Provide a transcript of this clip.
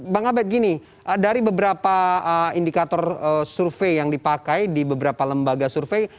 bang abed gini dari beberapa indikator survei yang dipakai di beberapa lembaga survei